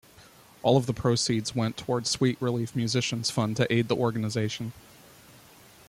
All of the proceeds went toward Sweet Relief Musicians Fund to aid the organization.